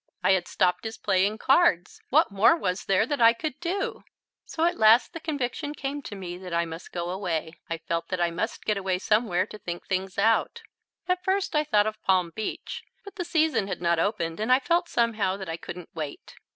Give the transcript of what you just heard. I had stopped his playing cards. What more was there that I could do? So at last the conviction came to me that I must go away. I felt that I must get away somewhere and think things out. At first I thought of Palm Beach, but the season had not opened and I felt somehow that I couldn't wait.